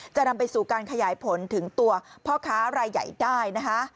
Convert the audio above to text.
จะนำไปสู่การขยายผลถึงตัวพ่อค้ารายใหญ่ได้นะคะ